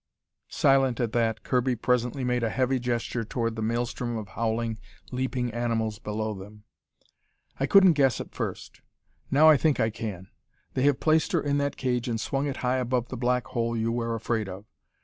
Silent at that, Kirby presently made a heavy gesture toward the maelstrom of howling, leaping animals below them. "I couldn't guess at first. Now I think I can. They have placed her in that cage and swung it high above the black hole you were afraid of.